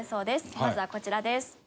まずはこちらです。